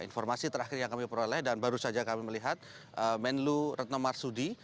informasi terakhir yang kami peroleh dan baru saja kami melihat menlu retno marsudi